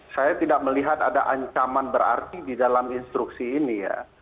saya tidak melihat ada ancaman berarti di dalam instruksi ini ya